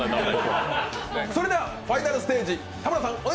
それではファイナルステージ。